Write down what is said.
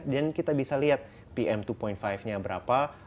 dan kita bisa lihat pm dua lima nya berapa